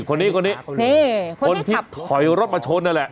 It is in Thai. คนนี้คนที่ถอยรถมาชนนั่นแหละ